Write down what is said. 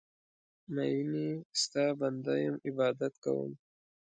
میینې ستا بنده یم عبادت کوم